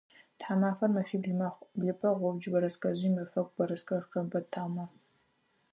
Тхьамафэр мэфибл мэхъу: блыпэ, гъубдж, бэрэскэжъый, мэфэку, бэрэскэшху, шэмбэт, тхьаумаф.